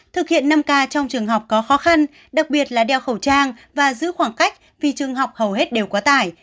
thực hiện năm k trong trường học có khó khăn đặc biệt là đeo khẩu trang và giữ khoảng cách vì trường học hầu hết đều quá tải